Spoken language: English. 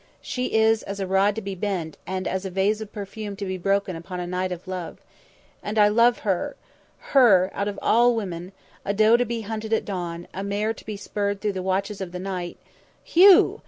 She is as a rod to be bent, and as a vase of perfume to be broken upon a night of love. And I love her her out of all women a doe to be hunted at dawn, a mare to be spurred through the watches of the night " "Hugh!"